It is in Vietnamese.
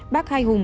bác hai hùng